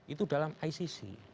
itu dalam icc